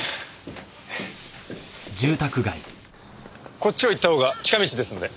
こっちを行った方が近道ですので。